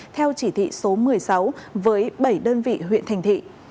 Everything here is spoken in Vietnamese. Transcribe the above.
theo chỉ thị số một mươi sáu với bảy đơn vị huyện thành thị